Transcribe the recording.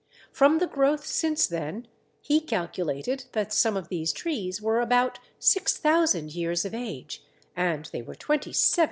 From the growth since then, he calculated that some of these trees were about 6000 years of age, and they were 27 feet in diameter.